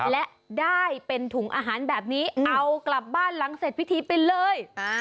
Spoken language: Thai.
และได้เป็นถุงอาหารแบบนี้เอากลับบ้านหลังเสร็จพิธีไปเลย